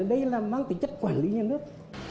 đây là mang tính chất quản lý nhà nước